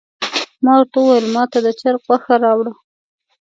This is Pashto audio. ما ورته وویل ماته د چرګ غوښه راوړه.